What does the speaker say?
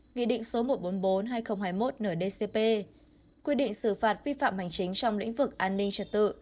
nghị định số một trăm bốn mươi bốn hai nghìn hai mươi một ndcp quy định xử phạt vi phạm hành chính trong lĩnh vực an ninh trật tự